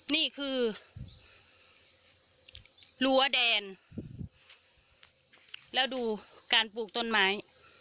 นี่คือรั้วแดนแล้วดูการปลูกต้นไม้